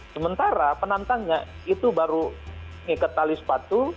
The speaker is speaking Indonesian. sementara penantangnya itu baru ngikat tali sepatu